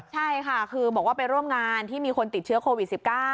ใช่ค่ะคือบอกว่าไปร่วมงานที่มีคนติดเชื้อโควิด๑๙